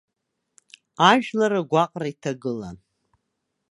Ажәлар агәаҟра иҭагылан.